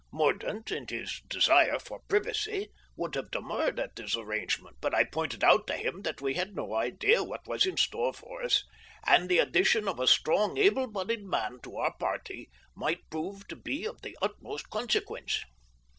Mordaunt, in his desire for privacy, would have demurred at this arrangement, but I pointed out to him that we had no idea what was in store for us, and the addition of a strong, able bodied man to our party might prove to be of the utmost consequence.